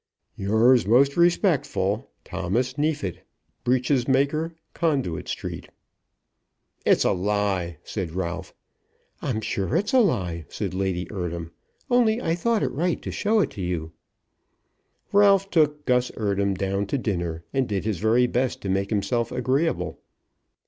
Yours most respectful, THOMAS NEEFIT, Breeches Maker, Conduit Street. "It's a lie," said Ralph. "I'm sure it's a lie," said Lady Eardham, "only I thought it right to show it you." Ralph took Gus Eardham down to dinner, and did his very best to make himself agreeable.